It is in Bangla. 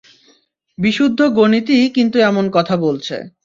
বিশুদ্ধ গণিতই কিন্তু এমন কথা বলছে।